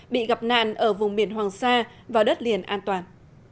bị gặp nạn ở vùng biển hoàng sa và đất liền an toàn